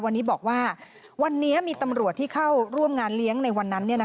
วันนี้บอกว่าวันนี้มีตำรวจที่เข้าร่วมงานเลี้ยงในวันนั้น